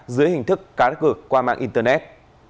dưới hình thức cá cực qua mạng internet